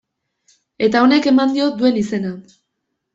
Eta honek eman dio duen izena.